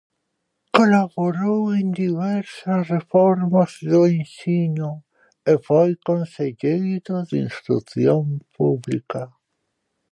Colaborou en diversas reformas do ensino e foi conselleiro de Instrución Pública.